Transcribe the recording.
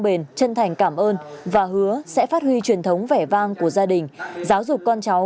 bền chân thành cảm ơn và hứa sẽ phát huy truyền thống vẻ vang của gia đình giáo dục con cháu